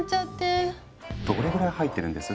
どれぐらい入ってるんです？